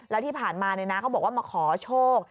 แล้วที่ผ่านมาเขาบอกว่ามาขอโชค